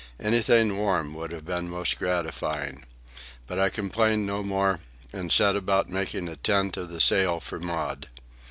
Anything warm would have been most gratifying. But I complained no more and set about making a tent of the sail for Maud.